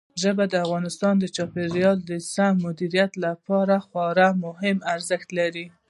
ژبې د افغانستان د چاپیریال د سم مدیریت لپاره خورا مهم ارزښت لري.